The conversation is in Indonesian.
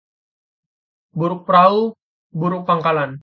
Buruk perahu, buruk pangkalan